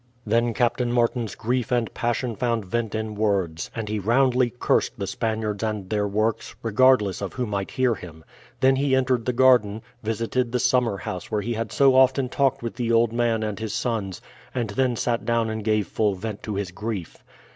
Then Captain Martin's grief and passion found vent in words, and he roundly cursed the Spaniards and their works, regardless of who might hear him; then he entered the garden, visited the summer house where he had so often talked with the old man and his sons, and then sat down and gave full vent to his grief.